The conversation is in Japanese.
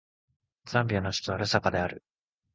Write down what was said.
ザンビアの首都はルサカである